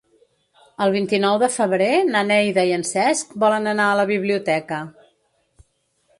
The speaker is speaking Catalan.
El vint-i-nou de febrer na Neida i en Cesc volen anar a la biblioteca.